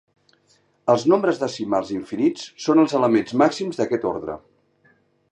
Els nombres decimals infinits són els elements màxims d'aquest ordre.